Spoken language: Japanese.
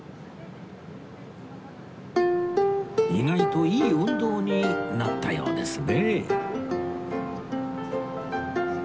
意外といい運動になったようですねえ